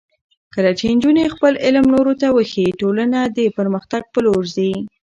کله چې نجونې خپل علم نورو ته وښيي، ټولنه د پرمختګ په لور ځي.